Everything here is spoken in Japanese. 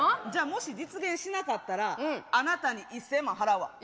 じゃあもし実現しなかったらあなたに１，０００万払うわ。